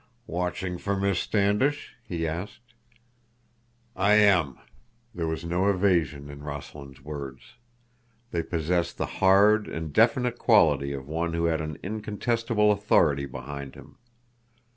"Watching for Miss Standish?" he asked. "I am." There was no evasion in Rossland's words. They possessed the hard and definite quality of one who had an incontestable authority behind him.